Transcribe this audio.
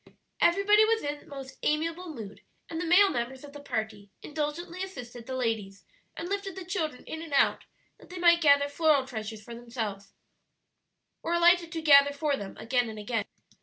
Everybody was in most amiable mood, and the male members of the party indulgently assisted the ladies, and lifted the children in and out that they might gather floral treasures for themselves, or alighted to gather for them again and again.